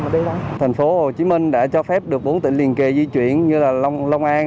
mà đi đâu thành phố hồ chí minh đã cho phép được bốn tỉnh liên kỳ di chuyển như là long an